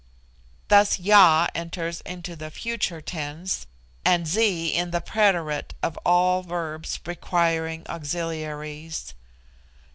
Thus Ya enters into the future tense, and Zi in the preterite of all verbs requiring auxiliaries.